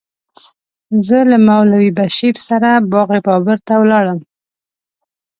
زه له مولوي بشیر سره باغ بابر ته ولاړم.